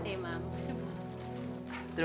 terima kasih latifah